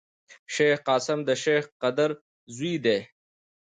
شېخ قاسم دشېخ قدر زوی دﺉ.